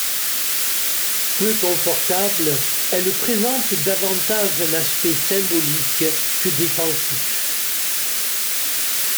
Peu confortable, elle présente davantage un aspect symbolique que défensif.